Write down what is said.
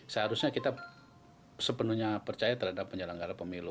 seharusnya kita sepenuhnya percaya terhadap penyelenggara pemilu